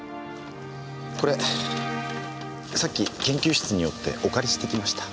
これさっき研究室に寄ってお借りしてきました。